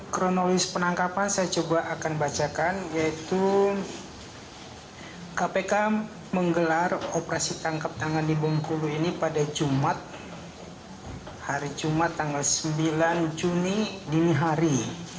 kronologis penangkapan saya coba akan bacakan yaitu kpk menggelar operasi tangkap tangan di bengkulu ini pada jumat hari jumat tanggal sembilan juni dini hari